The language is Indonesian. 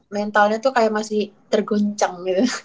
mentalnya tuh kayak masih terguncang gitu